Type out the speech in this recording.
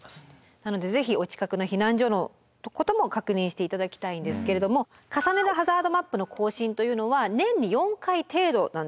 なので是非お近くの避難所のことも確認していただきたいんですけれども「重ねるハザードマップ」の更新というのは年に４回程度なんですね。